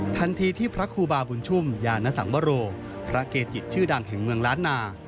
ทันทีที่พระครูบาบุญชุ่มยานสังวโรพระเกจิชื่อดังแห่งเมืองล้านนา